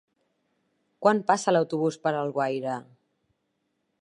Quan passa l'autobús per Alguaire?